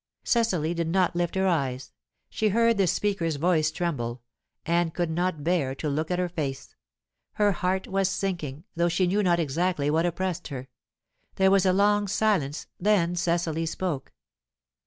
Cecily did not lift her eyes. She heard the speaker's voice tremble, and could not bear to look at her face. Her heart was sinking, though she knew not exactly what oppressed her. There was a long silence; then Cecily spoke.